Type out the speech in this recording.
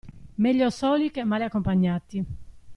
Meglio soli che male accompagnati.